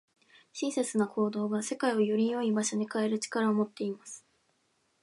親切な行動が、世界をより良い場所に変える力を持っています。